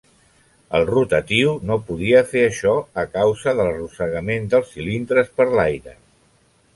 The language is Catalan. El rotatiu no podia fer això a causa de l'arrossegament dels cilindres per l'aire.